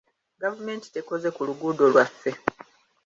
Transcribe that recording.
Gavumenti tekoze ku luguuddo lwaffe